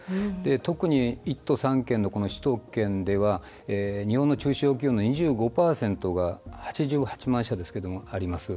特に１都３県の、この首都圏では日本の中小企業の２５％が８８万社ですけどもあります。